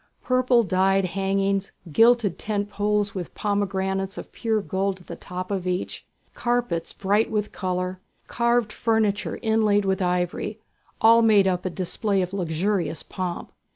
Purple dyed hangings, gilded tent poles with pomegranates of pure gold at the top of each, carpets bright with colour, carved furniture inlaid with ivory, all made up a display of luxurious pomp.